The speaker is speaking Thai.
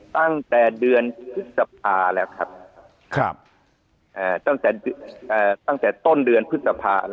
ตั้งแต่เดือนพฤษภาตั้งแต่ต้นเดือนพฤษภา